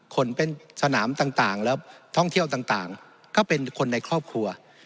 คนเป็นสนามต่างแล้วท่องเที่ยวต่างก็เป็นคนในครอบครัว